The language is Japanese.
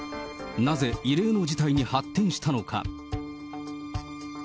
なぜ異例の事態に発展したのか。